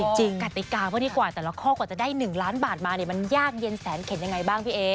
กติกาก็ดีกว่าแต่ละข้อกว่าจะได้๑ล้านบาทมาเนี่ยมันยากเย็นแสนเข็นยังไงบ้างพี่เอ